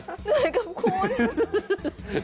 เหนื่อยกับคุณ